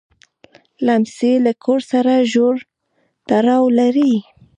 لمسی له کور سره ژور تړاو لري.